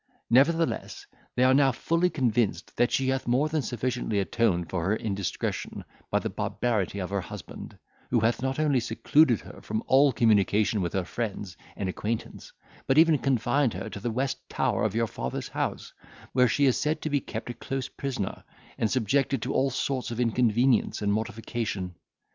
Nevertheless, they are now fully convinced, that she hath more than sufficiently atoned for her indiscretion, by the barbarity of her husband, who hath not only secluded her from all communication with her friends and acquaintance, but even confined her to the west tower of your father's house, where she is said to be kept close prisoner, and subjected to all sorts of inconvenience and mortification.